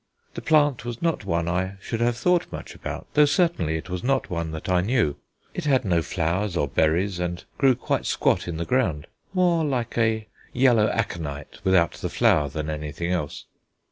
The plant was not one I should have thought much about, though certainly it was not one that I knew: it had no flowers or berries, and grew quite squat in the ground; more like a yellow aconite without the flower than anything else.